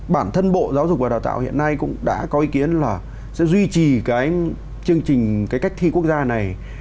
bản thân bộ giáo dục và đào tạo hiện nay cũng đã có ý kiến là sẽ duy trì cái chương trình cái cách thi quốc gia này